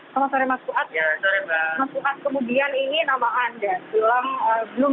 selamat sore mas fuad